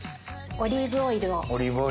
オリーブオイル。